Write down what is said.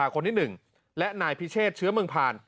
ของนายปฏิษัต